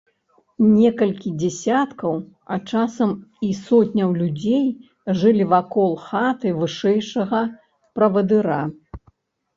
Некалькі дзесяткаў, а часам і сотняў людзей жылі вакол хаты вышэйшага правадыра.